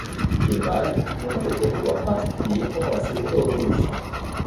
Les mâles n'ont pas de territoire particulier pendant la saison de reproduction.